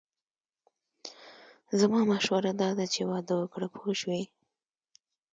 زما مشوره داده چې واده وکړه پوه شوې!.